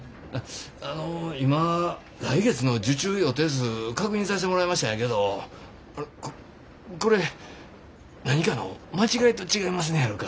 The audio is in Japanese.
あの今来月の受注予定数確認さしてもらいましたんやけどあのここれ何かの間違いと違いますねやろか？